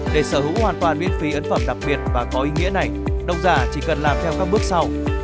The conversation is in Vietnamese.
để sở hữu hoàn toàn miễn phí ấn phẩm đặc biệt và có ý nghĩa này độc giả chỉ cần làm theo các bước sau